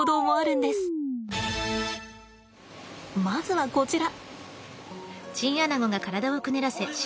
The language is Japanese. まずはこちら。